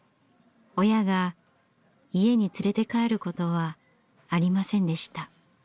親が家に連れて帰ることはありませんでした。